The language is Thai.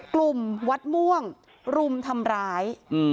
วัดม่วงรุมทำร้าย